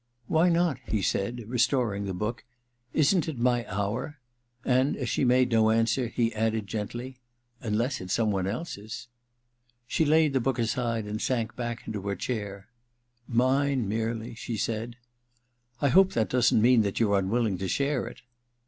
* why not?* he said, restoring the book. * Isn't it my hour? ' And as she made no answer, he added gently, * Unless it's some one else's ?' She laid the book aside and sank back into her chair. * Mine, merely,' she said. *I hope that doesn't mean that you're im willing to share it